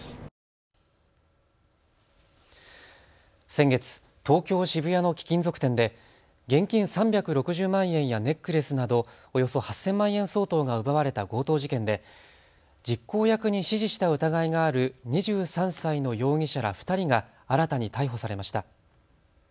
先月、東京渋谷の貴金属店で現金３６０万円やネックレスなどおよそ８０００万円相当が奪われた強盗事件で実行役に指示した疑いがある２３歳の容疑者ら２人が新たに逮捕されました。